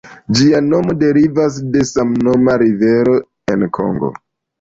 Ĝia nomo deriviĝas de samnoma rivero en Kongo.